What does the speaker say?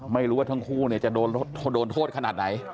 ไม่รู้ว่าทั้งคู่จะโดนโทษขนาดไหน